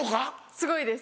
すごいです。